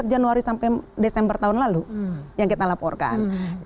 empat januari sampai desember tahun lalu yang kita laporkan